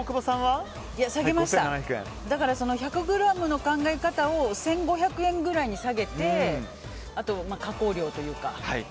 １００ｇの考え方を１５００円ぐらいに下げてあと加工料というか。